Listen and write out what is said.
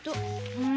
うん。